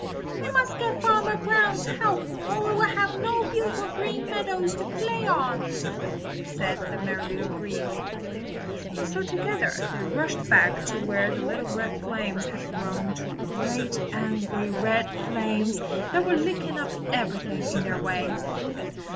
"We must get Farmer Brown's help or we will have no beautiful Green Meadows to play on," said the Merry Little Breeze. So together they rushed back to where the little red flames had grown into great, angry, red flames that were licking up everything in their way.